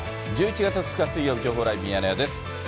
１１月２日水曜日、情報ライブミヤネ屋です。